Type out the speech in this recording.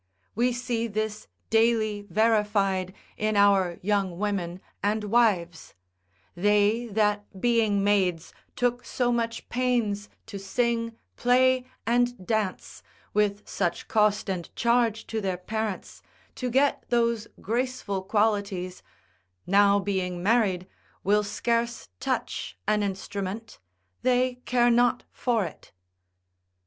We see this daily verified in our young women and wives, they that being maids took so much pains to sing, play, and dance, with such cost and charge to their parents, to get those graceful qualities, now being married will scarce touch an instrument, they care not for it.